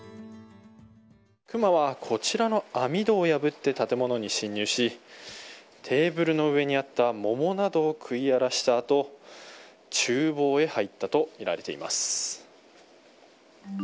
クマはこちらの網戸を破って建物に侵入しテーブルの上にあった桃などを食い荒らしたあと厨房へ入ったとみられています。